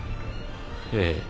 ええ。